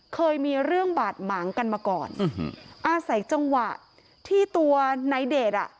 เคยมีเรื่องบาดหมางกันมาก่อนอาศัยจังหวะที่ตัวนายเดชอ่ะ